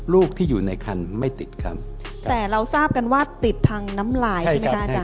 ลูกที่อยู่ในคันไม่ติดคันแต่เราทราบกันว่าติดทางน้ำลายใช่ไหมคะอาจาร